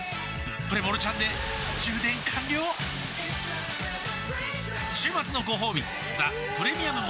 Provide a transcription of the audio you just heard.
プレモルちゃんで充電完了週末のごほうび「ザ・プレミアム・モルツ」